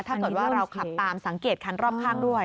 ถ้าเกิดว่าเราขับตามสังเกตคันรอบข้างด้วย